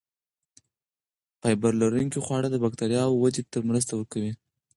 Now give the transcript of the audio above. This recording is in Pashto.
فایبر لرونکي خواړه د بکتریاوو ودې ته مرسته کوي.